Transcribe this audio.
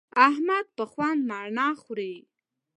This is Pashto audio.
احمد په خوند مڼه خوري.